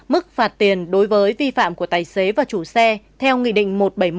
mức phạt tiền đối với vi phạm của tài xế và chủ xe theo nghị định một trăm bảy mươi một